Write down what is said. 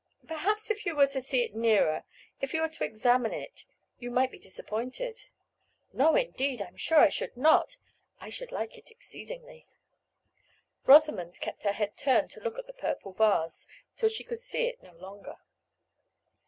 "Perhaps if you were to see it nearer, if you were to examine it you might be disappointed." "No, indeed, I'm sure I should not; I should like it exceedingly." Rosamond kept her head turned to look at the purple vase, till she could see it no longer.